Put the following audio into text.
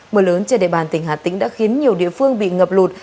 mưa lớn trên địa bàn tỉnh hà tĩnh đã khiến nhiều địa phương bị ngập lụt